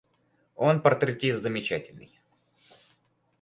Он портретист замечательный.